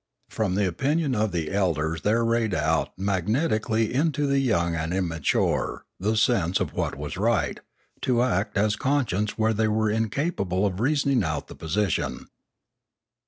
From the opinion of the elders there rayed out magnetically into the young and 628 Limanora immature the sense of what was right, to act as con science where they were incapable of reasoning out the position.